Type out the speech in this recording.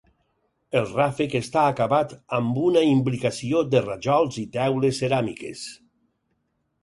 El ràfec està acabat amb una imbricació de rajols i teules ceràmiques.